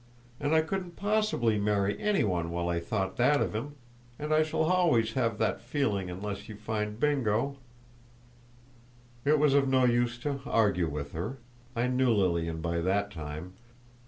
And I couldn't possibly marry any one while I thought that of him. And I shall always have that feeling unless you find Bingo!" It was of no use to argue with her; I knew Lilian by that time.